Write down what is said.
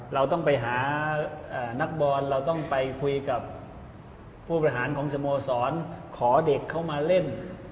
เราต้องไปหานักบอลเราต้องไปคุยกับผู้บริหารของสโมสรขอเด็กเข้ามาเล่น